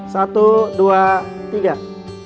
senyum ya pak